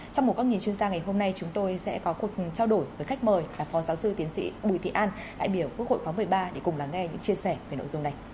trong một góc nhìn chuyên gia ngày hôm nay chúng tôi sẽ có cuộc trao đổi với khách mời là phó giáo sư tiến sĩ bùi thị an đại biểu quốc hội khóa một mươi ba để cùng lắng nghe những chia sẻ về nội dung này